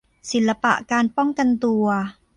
ศิลปะการป้องกันตัว